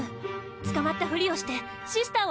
捕まったふりをしてシスターをだましたの。